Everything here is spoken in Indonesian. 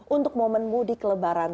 untuk momen mudik lebaran